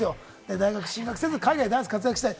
大学進学せず、海外で活躍したい。